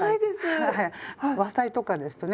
和裁とかですとね